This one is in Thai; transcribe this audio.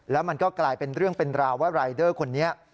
แล้วมันก็กลายเป็นเรื่องเป็นราวว่ารายเดอร์คนนี้